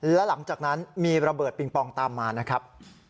และหลังจากนั้นมีระเบิดปิงปองตามมานะครับ